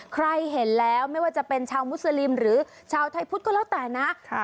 ใครเห็นแล้วไม่ว่าจะเป็นชาวมุสลิมหรือชาวไทยพุทธก็แล้วแต่นะ